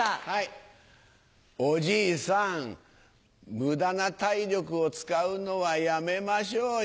無駄な体力を使うのはやめましょうよ。